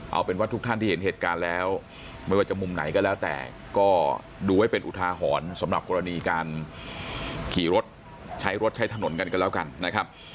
เอาเป็นว่าทุกท่านที่เห็นเหตุการณ์แล้วไม่ว่าจะมุมไหนก็แล้วแต่ก็ดูไว้เป็นอุทาหรณ์สำหรับกรณีการขี่รถใช้รถใช้ถนนกันกันแล้วกันนะครับ